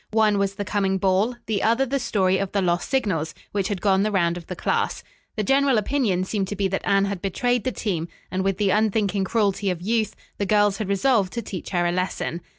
One was the coming ball, the other the story of the lost signals, which had gone the round of the class. The general opinion seemed to be that Anne had betrayed the team, and with the unthinking cruelty of youth, the girls had resolved to teach her a lesson.